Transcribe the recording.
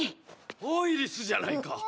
アイリスじゃないか！